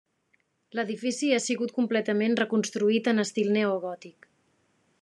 L'edifici ha sigut completament reconstruït en estil neogòtic.